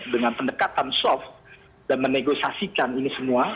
dengan pendekatan soft dan menegosiasikan ini semua